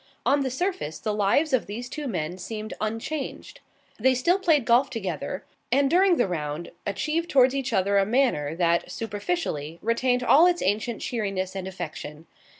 On the surface, the lives of these two men seemed unchanged. They still played golf together, and during the round achieved towards each other a manner that, superficially, retained all its ancient cheeriness and affection.